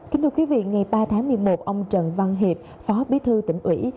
kính thưa quý vị ngày ba tháng một mươi một ông trần văn hiệp phó bí thư tỉnh ủy